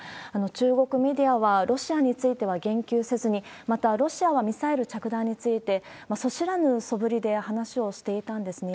中国メディアは、ロシアについては言及せずに、また、ロシアはミサイル着弾について、素知らぬ素振りで話をしていたんですね。